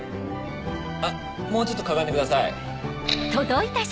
あっもうちょっとかがんでください。